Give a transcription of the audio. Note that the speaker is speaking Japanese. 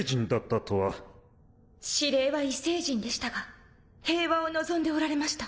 法司令は異星人でしたが平和を望んでおられました。